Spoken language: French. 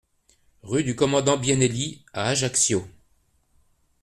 Rue du Commandant Benielli à Ajaccio